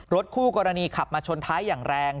คู่กรณีขับมาชนท้ายอย่างแรง